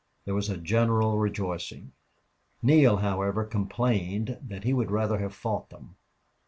There was a general rejoicing. Neale, however, complained that he would rather have fought them.